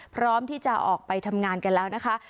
พร้อมที่จะออกไปทำงานกันแล้วนะคะ